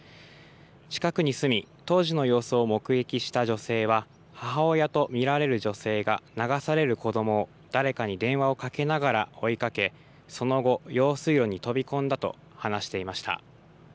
近くに住み、当時の様子を目撃した女性は、母親と見られる女性が流される子どもを誰かに電話をかけながら追いかけ、その後、用水路に飛び込んだと話していました。